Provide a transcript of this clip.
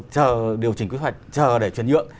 chờ điều chỉnh quy hoạch chờ để chuyển nhuận